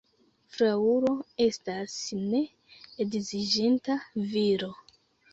Fraŭlo estas ne edziĝinta viro.